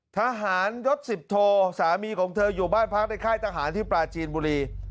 ทหารยศสิบโทสามีของเธออยู่บ้านพักในค่ายทหารที่ปลาจีนบุรี